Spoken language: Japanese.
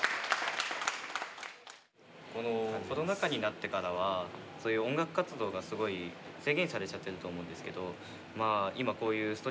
このコロナ禍になってからはそういう音楽活動がすごい制限されちゃってると思うんですけどま